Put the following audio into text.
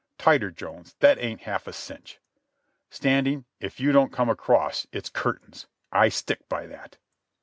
Tighter, Jones; that ain't half a cinch. Standing, if you don't come across it's curtains. I stick by that."